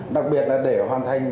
đặc biệt là để hoàn thành